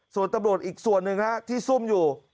ส่วนตำรวจอีกส่วนหนึ่งที่ซุ่มอยู่